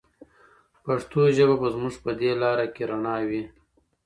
پښتو ژبه به زموږ په دې لاره کې رڼا وي.